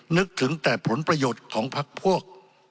นึกถึงแต่ผลประโยชน์ของพักพวก